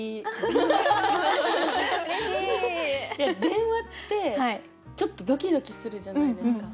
電話ってちょっとドキドキするじゃないですか。